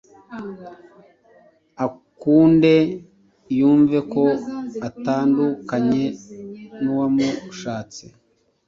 akunde yumve ko atandukanye n’uwamushatse.